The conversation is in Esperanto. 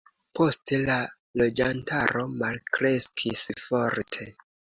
Poste la loĝantaro malkreskis forte.